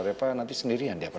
reva nanti sendirian di apartemen